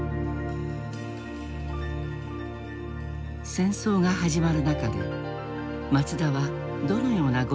戦争が始まる中で松田はどのような御進講を行ったのか。